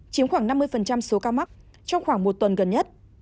chiếm khoảng năm mươi số ca mắc trong khoảng một tuần gần nhất